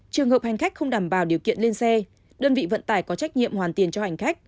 trường hợp hành khách không đảm bảo điều kiện lên xe đơn vị vận tải có trách nhiệm hoàn tiền cho hành khách